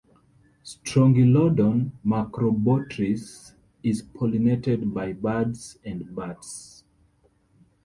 "Strongylodon macrobotrys" is pollinated by birds and bats.